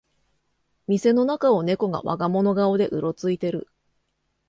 店の中をネコが我が物顔でうろついてる